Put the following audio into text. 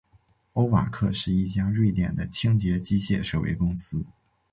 欧瓦克是一家瑞典的清洁机械设备公司。